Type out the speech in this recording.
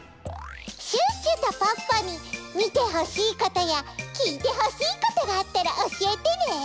シュッシュとポッポにみてほしいことやきいてほしいことがあったらおしえてね！